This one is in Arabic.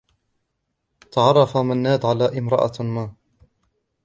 تعرّف منّاد على امرأة ما.